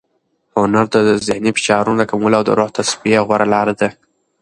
هنر د ذهني فشارونو د کمولو او د روح د تصفیې غوره لار ده.